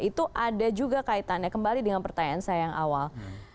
itu ada juga kaitannya kembali dengan pertanyaan saya yang awal